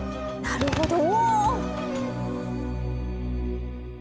なるほど。